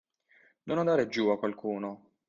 Non andare giù a qualcuno.